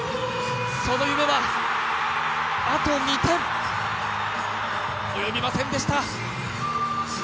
その夢はあと２点、及びませんでした。